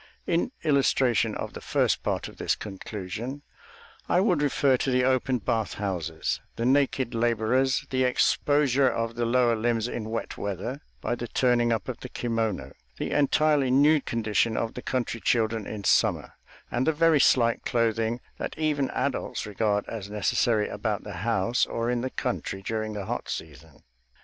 In illustration of the first part of this conclusion, I would refer to the open bath houses, the naked laborers, the exposure of the lower limbs in wet weather by the turning up of the kimono, the entirely nude condition of the country children in summer, and the very slight clothing that even adults regard as necessary about the house or in the country during the hot season.